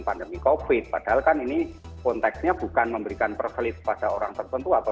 pandemi covid padahal kan ini konteksnya bukan memberikan perselit pada orang tertentu atau